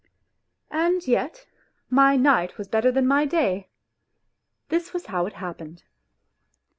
... And yet my night was better than my day ! This was how it happened.